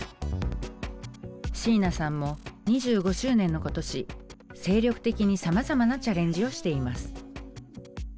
椎名さんも２５周年の今年精力的にさまざまなチャレンジをしています。